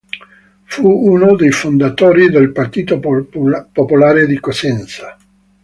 Fu uno dei fondatori del Partito Popolare di Cosenza.